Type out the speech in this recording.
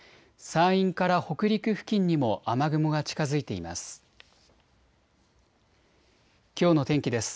山陰から北陸付近にも雨雲が近づいています。